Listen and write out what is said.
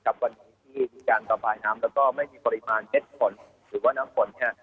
วันนี้ที่มีการระบายน้ำแล้วก็ไม่มีปริมาณเม็ดฝนหรือว่าน้ำฝนเนี่ย